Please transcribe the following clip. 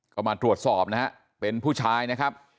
ก็มาตรวจสอบนะฮะเป็นผู้ชายนะครับ